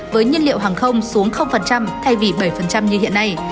với nhiên liệu hàng không xuống thay vì bảy như hiện nay